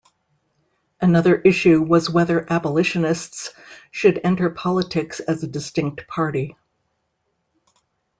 Another issue was whether abolitionists should enter politics as a distinct party.